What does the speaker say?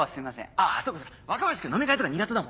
あぁそうかそうか若林君飲み会とか苦手だもんね。